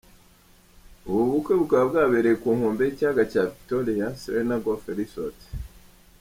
Ubu bukwe bukaba bwabereye ku nombe y’ikiyaga cya Victoria Serena Golf Resort.